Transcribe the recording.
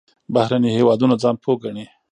بهرني هېوادونه ځان پوه ګڼي.